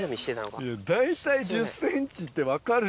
大体１０ｃｍって分かるじゃん。